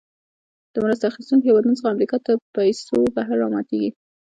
د مرسته اخیستونکو هېوادونو څخه امریکا ته د پیسو بهیر راماتیږي.